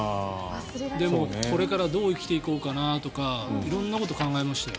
でも、これからどう生きていこうかなとか色んなことを考えましたよ。